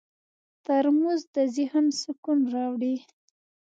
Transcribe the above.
ترموز د ذهن سکون راوړي.